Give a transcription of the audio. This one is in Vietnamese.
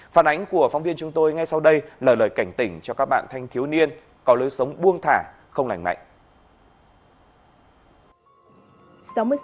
phản ánh của phóng viên chúng tôi ngay sau đây là lời cảnh tỉnh cho các bạn thanh thiếu niên có lối sống buông thả không lành mạnh